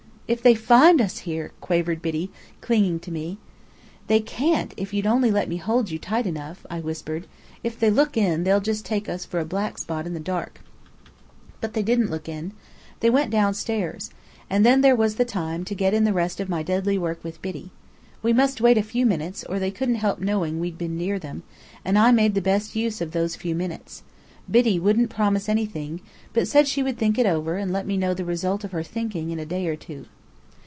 "If they find us here!" quavered Biddy, clinging to me. "They can't, if only you'll let me hold you tight enough," I whispered. "If they look in, they'll just take us for a black spot in the dark!" But they didn't look in. They went downstairs. And then was the time to get in the rest of my deadly work with Biddy. We must wait a few minutes, or they couldn't help knowing we'd been near them: and I made the best use of those few minutes. Biddy wouldn't promise anything, but said that she would think it over, and let me know the result of her thinking in a day or two.